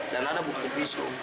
dan ada bukti visu